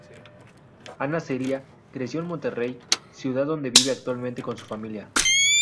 Ana Celia creció en Monterrey, ciudad donde vive actualmente con su familia.